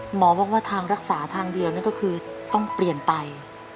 หมอบอกว่าทางรักษาทางเดียวนั่นก็คือต้องเปลี่ยนไต